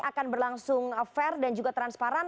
akan berlangsung fair dan juga transparan